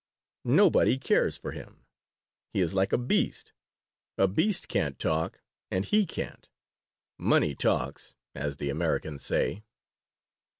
Nobody cares for him. He is like a beast. A beast can't talk, and he can't. 'Money talks,' as the Americans say."